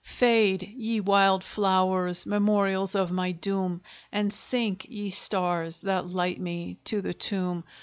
Fade, ye wild flowers, memorials of my doom, And sink, ye stars, that light me to the tomb!